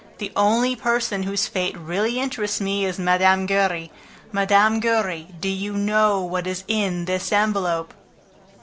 "The only person whose fate really interests me is Mme. Giry... Mme. Giry, do you know what is in this envelope?"